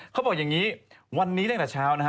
เขาบอกอย่างนี้วันนี้ตั้งแต่เช้านะฮะ